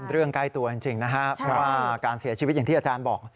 เรื่องใกล้ตัวจริงนะครับการเสียชีวิตอย่างที่อาจารย์บอก